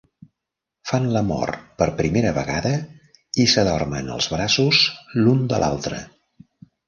Fan l'amor per primera vegada i s'adormen als braços l'un de l'altre.